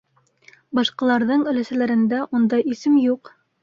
Башҡаларҙың өләсәләрендә ундай исем юҡ.